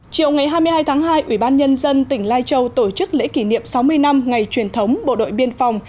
chiều ngày hai mươi hai tháng hai ủy ban nhân dân tỉnh lai châu tổ chức lễ kỷ niệm sáu mươi năm ngày truyền thống bộ đội biên phòng